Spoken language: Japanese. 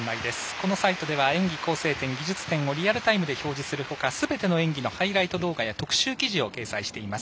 このサイトでは演技構成点、技術点をリアルタイムで表示するほかハイライトや特集記事を掲載しています。